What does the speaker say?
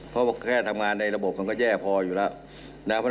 เพราะแค่ทำงานในระบบก็แย่พลอยู่แล้ว